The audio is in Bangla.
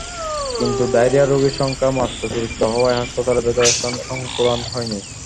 কিন্তু ডায়রিয়া রোগীর সংখ্যা মাত্রাতিরিক্ত হওয়ায় হাসপাতালের ভেতরে স্থান সংকুলান হয়নি।